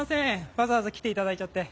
わざわざ来て頂いちゃって。